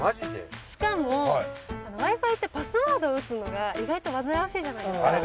しかもＷｉ−Ｆｉってパスワード打つのが意外と煩わしいじゃないですかあれ